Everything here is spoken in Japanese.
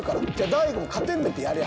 大悟も勝てんねんてやりゃ。